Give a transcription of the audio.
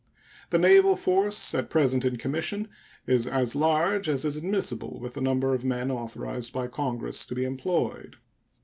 The naval force at present in commission is as large as is admissible with the number of men authorized by Congress to be employed.